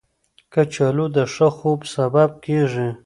کچالو د ښه خوب سبب کېږي